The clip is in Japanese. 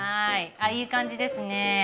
あいい感じですね。